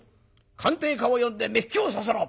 鑑定家を呼んで目利きをさせろ！」。